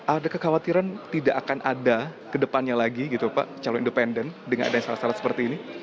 ada kekhawatiran tidak akan ada kedepannya lagi gitu pak calon independen dengan adanya syarat syarat seperti ini